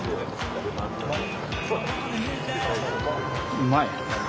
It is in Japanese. うまい！